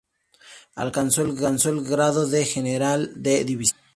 Alcanzó el grado de general de División.